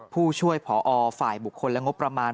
ผู้ช่วยผอฝ่ายบุคคลและงบประมาณ